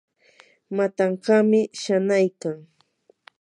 matankaami shanaykan.